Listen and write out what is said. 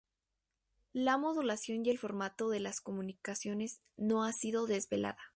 La modulación y el formato de las comunicaciones no ha sido desvelada.